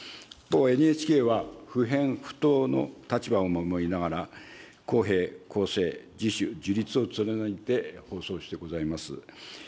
ＮＨＫは、不偏不党の立場を守りながら、公平・公正、自主・自律を貫いて放送してございます。